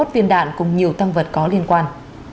sáu mươi một viên đạn cùng nhiều tăng vật có liên quan